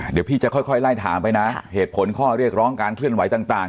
เดี๋ยวพี่จะค่อยไล่ถามไปนะเหตุผลข้อเรียกร้องการเคลื่อนไหวต่าง